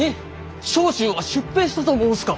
長州は出兵したと申すか！